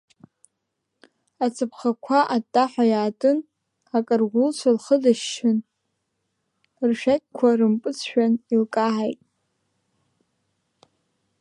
Ацаԥхақәа аттаҳәа иаатын, аҟарулцәа лхьыдышьшьын ршәақьқәа рымпыҵшәан илкаҳаит.